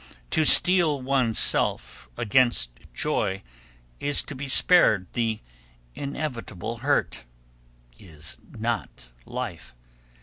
To steel one's self against joy to be spared the inevitable hurt, is not life.